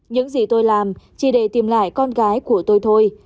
những gì tôi làm chỉ để tìm lại con gái của tôi thôi